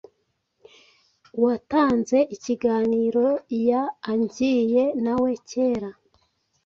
uwatanze ikiganiro yaangiye nawe kera